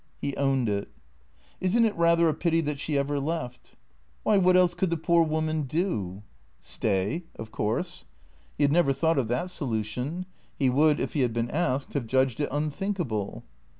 He owned it. " Is n't it rather a pity that she ever left? "" Why, what else could the poor woman do ?"" Stay, of course." He had never thought of that solution; he would, if he had been asked, have judged it unthinkable.